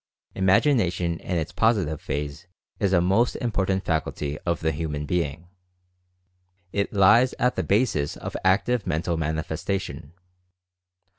Imagination in its Positive phase is a most impor tant faculty of the human being. It lies at the basis of active mental manifestation.